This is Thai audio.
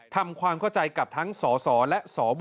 ทำความเข้าใจกับทั้งสสและสว